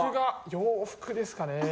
洋服ですかね。